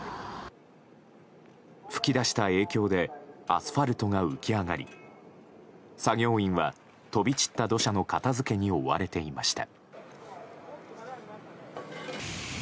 噴き出した影響でアスファルトが浮き上がり作業員は、飛び散った土砂の片づけに追われていました。